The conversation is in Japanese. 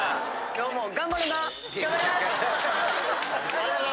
今日も頑張ろな！